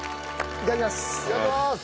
いただきます。